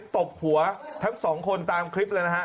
ตบหัวทั้ง๒คนตามคลิปแล้วนะฮะ